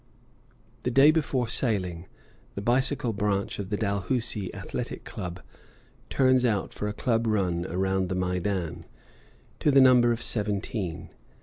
The day before sailing, the bicycle branch of the Dalhousie Athletic Club turns out for a club run around the Maidan, to the number of seventeen.